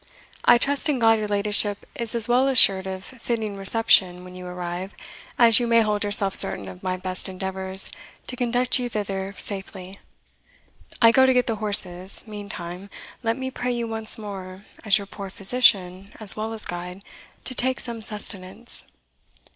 I trust in God your ladyship is as well assured of fitting reception when you arrive, as you may hold yourself certain of my best endeavours to conduct you thither safely. I go to get the horses; meantime, let me pray you once more, as your poor physician as well as guide, to take some sustenance."